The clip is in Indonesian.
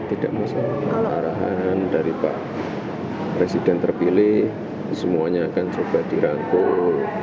tidak menyelesaikan arahan dari pak presiden terpilih semuanya akan coba dirangkul